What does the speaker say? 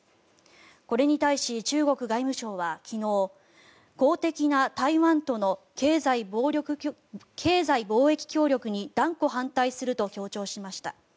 これに対し中国外務省は昨日公的な台湾との経済貿易協力に断固反対すると強調しました。